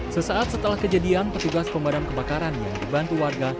sesaat setelah kejadian petugas pemadam kebakaran yang dibantu warga